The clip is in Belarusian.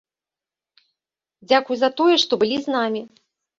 Дзякуй за тое, што былі з намі.